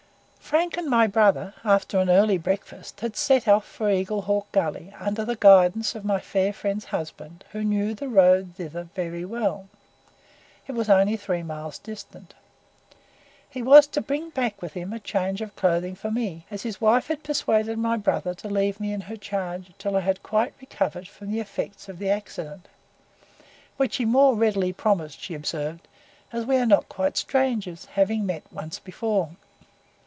Frank and my brother, after an early breakfast, had set out for Eagle Hawk Gully under the guidance of my fair friend's husband, who knew the road thither very well; it was only three miles distant. He was to bring back with him a change of clothing for me, as his wife had persuaded my brother to leave me in her charge until I had quite recovered from the effects of the accident, "which he more readily promised," she observed, "as we are not quite strangers, having met once before."